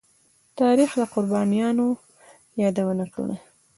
تاریخ د قربانيو يادونه ده.